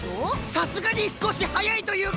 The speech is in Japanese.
さすがに少し早いというか！